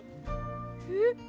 えっ？